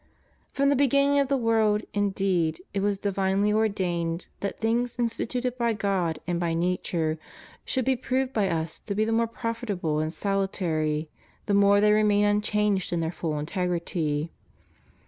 From the beginning of the world, indeed, it was divinely ordained that things instituted by God and by Nature should be proved by us to be the more profitable and salutary the more they remain imchanged in their full integrity.